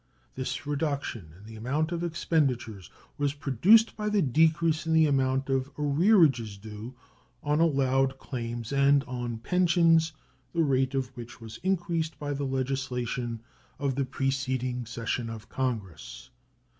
This reduction in amount of expenditures was produced by the decrease in the amount of arrearages due on allowed claims and on pensions the rate of which was increased by the legislation of the preceding session of Congress.